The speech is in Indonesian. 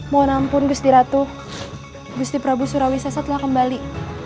mohon ampun gusti ratu gusti prabu surawisesa telah kembali